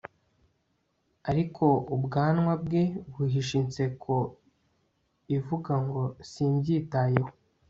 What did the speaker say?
ariko ubwanwa bwe buhisha inseko ivuga ngo simbyitayeho